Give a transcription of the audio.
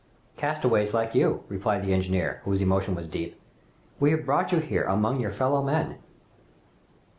"Castaways, like you," replied the engineer, whose emotion was deep. "We have brought you here, among your fellow men."